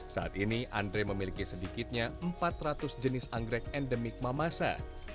saat ini andre memiliki sedikitnya empat ratus jenis anggrek endemik mamasa